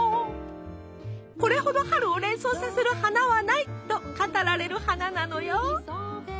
これほど春を連想させる花はないと語られる花なのよ。